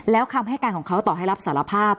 แล้วคำให้การของเขาต่อให้รับสารภาพ